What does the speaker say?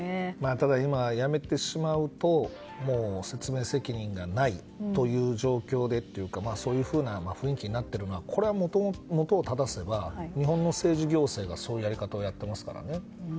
ただ今、辞めてしまうと説明責任がないという状況でっていうかそういうふうな雰囲気になっているのはこれは、もとをただせば日本の政治行政がそういうやり方をやっていますからね。